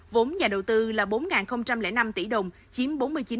vốn nhà đầu tư là bốn năm tỷ đồng chiếm bốn mươi chín bốn mươi ba